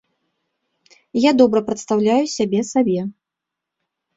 І я добра прадстаўляю сябе сабе.